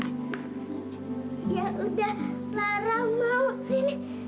ya udah para mau sini